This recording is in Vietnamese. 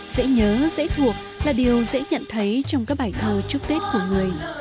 dễ nhớ dễ thuộc là điều dễ nhận thấy trong các bài thơ chúc tết của người